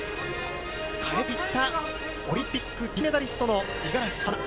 変えていったオリンピック銀メダリストの五十嵐カノア。